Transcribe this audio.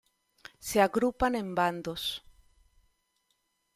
Se agrupan en bandos.